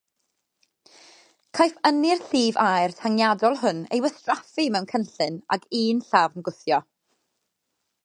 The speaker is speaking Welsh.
Caiff ynni'r llif aer tangiadol hwn ei wastraffu mewn cynllun ag un llafn gwthio.